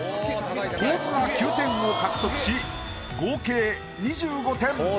構図が９点を獲得し合計２５点。